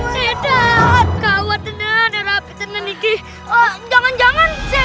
sedang kawatan ada rapi tenenik jangan jangan